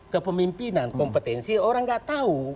kepemimpinan kompetensi orang gak tahu